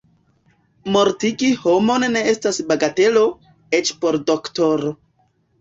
Mortigi homon ne estas bagatelo, eĉ por doktoro.